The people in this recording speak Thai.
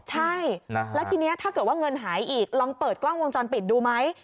ใช่แล้วทีนี้ถ้าเกิดว่าเงินหายอีกลองเปิดกล้องวงจรปิดดูไหม